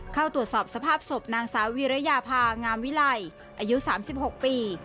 เข้าตรวจสอบสภาพศพนางสาววีรยาภางามวิไลอายุ๓๖ปี